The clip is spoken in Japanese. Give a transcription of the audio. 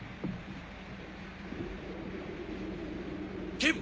警部！